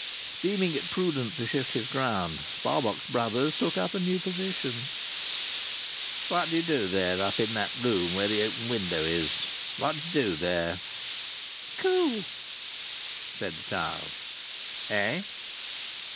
Deeming it prudent to shift his ground, Barbox Brothers took up a new position. "What do you do there? Up there in that room where the open window is. What do you do there?" "Cool," said the child. "Eh?"